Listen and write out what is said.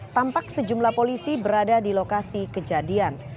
tampak sejumlah polisi berada di lokasi kejadian